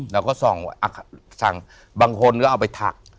เราก็ส่องบางคนก็เอาไปถัก